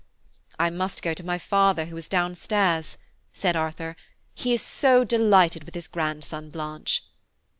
"I must go to my father, who is down stairs," said Arthur; "he is so delighted with his grandson, Blanche."